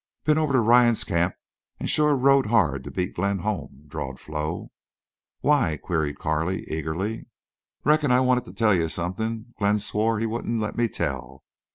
"Been over to Ryan's camp an' shore rode hard to beat Glenn home," drawled Flo. "Why?" queried Carley, eagerly. "Reckon I wanted to tell you something Glenn swore he wouldn't let me tell.